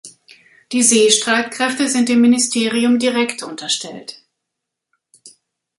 Die Seestreitkräfte sind dem Ministerium direkt unterstellt.